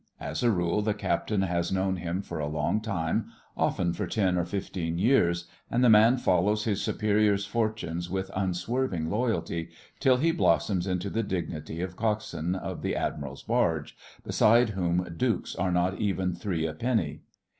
As a rule the Captain has known him for a long time, often for ten or fifteen years, and the man follows his superior's fortunes with unswerving loyalty, till he blossoms into the dignity of coxswain of the Admiral's barge, beside whom dukes are not even three a penny.